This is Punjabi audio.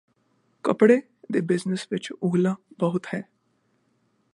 ਕਪੜੇ ਦੇ ਬਿਜ਼ਨਸ ਵਿੱਚ ਉਹਲਾਂ ਬਹੁਤ ਹੈ